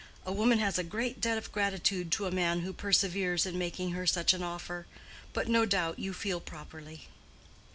A woman has a great debt of gratitude to a man who perseveres in making her such an offer. But no doubt you feel properly."